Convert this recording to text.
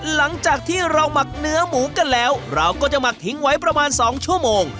หลังจากที่เราหมักเนื้อหมูกันแล้วเราก็จะหมักทิ้งไว้ประมาณ๒ชั่วโมง